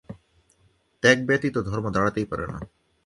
ত্যাগ ব্যতীত ধর্ম দাঁড়াতেই পারে না।